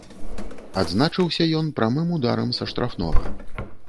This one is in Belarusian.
Адзначыўся ён прамым ударам са штрафнога.